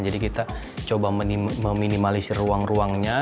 jadi kita coba meminimalisir ruang ruangnya